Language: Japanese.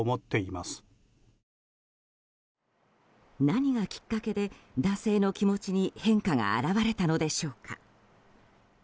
何がきっかけで男性の気持ちに変化が現れたのでしょうか。